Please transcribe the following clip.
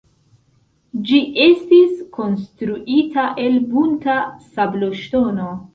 Ĝi estis konstruita el bunta sabloŝtono.